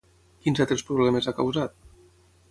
Quins altres problemes ha causat?